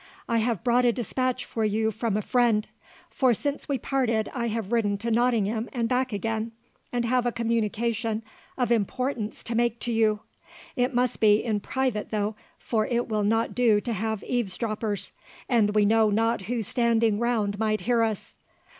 I have brought a despatch for you from a friend; for since we parted I have ridden to Nottingham and back again, and have a communication of importance to make to you. It must be in private though, for it will not do to have eaves droppers, and we know not who standing round might hear us.